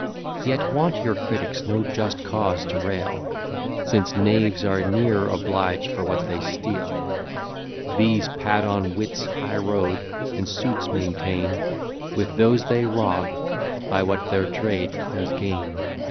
Yet want your critics no just cause to rail, Since knaves are ne'er obliged for what they steal. These pad on wit's high road, and suits maintain With those they rob, by what their trade does gain.